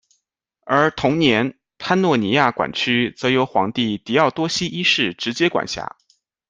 而同年潘诺尼亚管区则由皇帝狄奥多西一世直接管辖。